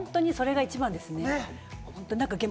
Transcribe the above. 本当にそれが一番ですね。